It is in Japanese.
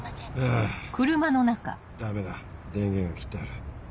あぁダメだ電源が切ってある。